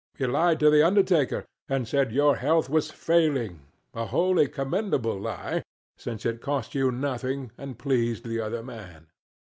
You lied to the undertaker, and said your health was failing a wholly commendable lie, since it cost you nothing and pleased the other man.